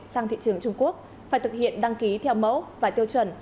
sang thị trường trung quốc phải thực hiện đăng ký theo mẫu và tiêu chuẩn